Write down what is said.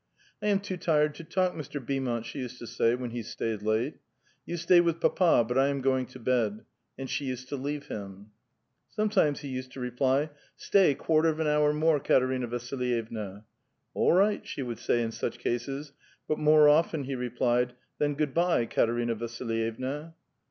*' I am too tired to talk, Mr. Beaumont," she used to say when he stayed late. " You stay with papa, but I am going to bed "; and she used to leave him. Sometimes he lised to reply, " Stay quarter of an hour more, Katerina Vasilyevna." " All right," she would say in such cases ; but more often he replied, *' Then good by,' Katerina Vasilyevna."